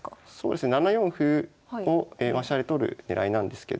７四歩を飛車で取る狙いなんですけど。